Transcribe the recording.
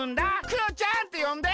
クヨちゃんってよんで！